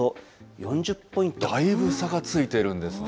だいぶ差がついてるんですね。